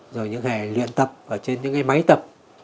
rồi những hẻ luyện tập trên những máy tập